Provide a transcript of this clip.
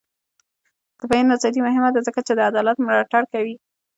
د بیان ازادي مهمه ده ځکه چې د عدالت ملاتړ کوي.